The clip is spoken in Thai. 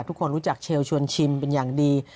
ทุกคนรู้จักเชลชวนชิมเป็นอย่างดี